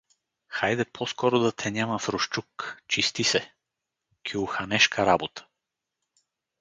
Хайде по-скоро да те няма в Русчук, чисти се… Кюлханешка работа!